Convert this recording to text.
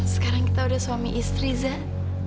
sekarang kita udah suami istri zah